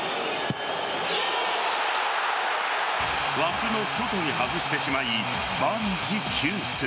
枠の外に外してしまい、万事休す。